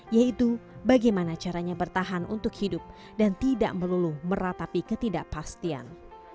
yaitu bagaimana caranya bertahan untuk hidup dan tidak melulu meratapi ketidakpastian